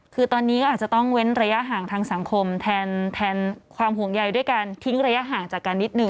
คือตอนนี้ก็อาจจะต้องเว้นระยะห่างทางสังคมแทนความห่วงใยด้วยการทิ้งระยะห่างจากกันนิดหนึ่ง